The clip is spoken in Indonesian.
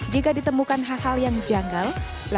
jika ditemukan hal hal yang janggal langsung memasukkan kartu